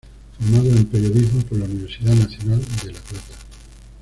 Formado en periodismo por la Universidad Nacional de La Plata.